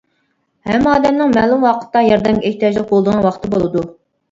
ھەممە ئادەمنىڭ مەلۇم ۋاقىتتا ياردەمگە ئېھتىياجلىق بولىدىغان ۋاقتى بولىدۇ.